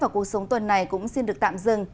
và cuộc sống tuần này cũng xin được tạm dừng